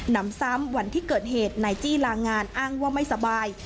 นำซ้ำวันที่เกิดเหตุนายจี้ลางานอ้างว่าไม่สบาย